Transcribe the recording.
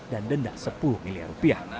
dan denda rp sepuluh miliar